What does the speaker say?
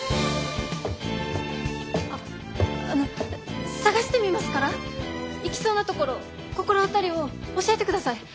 あの捜してみますから行きそうな所心当たりを教えてください！